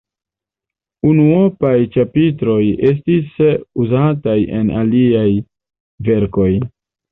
Unuopaj ĉapitroj estis uzataj en aliaj verkoj.